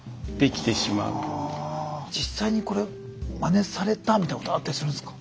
実際にこれまねされたみたいなことあったりするんですか？